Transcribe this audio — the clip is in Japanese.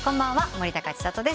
森高千里です。